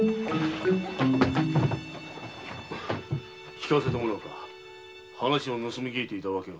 聞かせてもらおうか話を盗み聞いていた訳を。